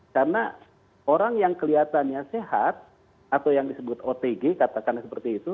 karena orang yang kelihatannya sehat atau yang disebut otg katakan seperti itu